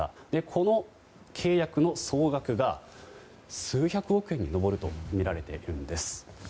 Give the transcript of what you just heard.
この契約の総額が数百億円に上るとみられているんです。